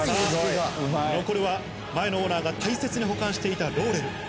残るは前のオーナーが大切に保管していたローレル